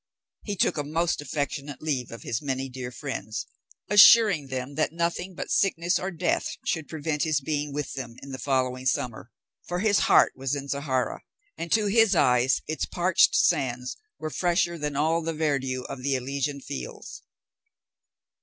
He took a most affectionate leave of his many dear friends, assuring them that nothing but sickness or death should prevent his being with them in the following summer; for his heart was in Zahara, and to his eyes its parched sands were fresher than all the verdure of the Elysian fields.